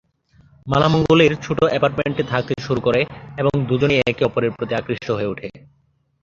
মালা মঙ্গলের ছোট অ্যাপার্টমেন্টে থাকতে শুরু করে এবং দুজনেই একে অপরের প্রতি আকৃষ্ট হয়ে ওঠে।